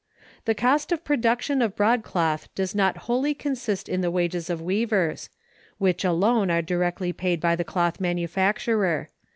The cost of production of broadcloth does not wholly consist in the wages of weavers; which alone are directly paid by the cloth manufacturer.